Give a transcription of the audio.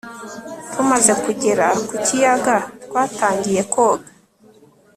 tumaze kugera ku kiyaga, twatangiye koga